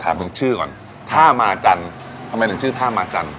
ถึงชื่อก่อนท่ามาจันทร์ทำไมถึงชื่อท่ามาจันทร์